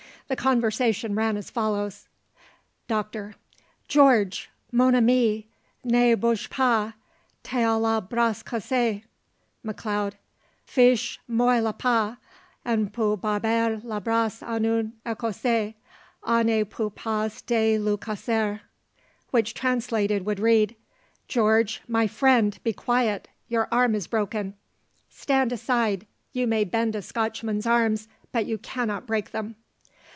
The conversation ran as follows: Doctor: "Georges, mon ami; ne bouge pas, tu a le bras cassé." McLeod: "Fiche Moi la paix, on peut courber le bras à un Ecossais; on ne peut pas le lui casser." Which translated would read: "George, my friend, be quiet, your arm is broken." "Stand aside, you may bend a Scotchman's arms, but you can't break them."